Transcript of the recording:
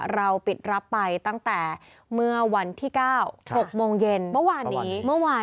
เราปิดรับไปตั้งแต่เมื่อวันที่๙๖โมงเย็นเมื่อวานนี้เมื่อวาน